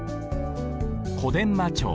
「小伝馬町」。